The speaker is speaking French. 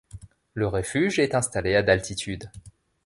Le refuge est installé à d'altitude.